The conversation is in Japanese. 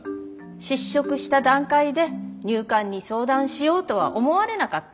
失職した段階で入管に相談しようとは思われなかった？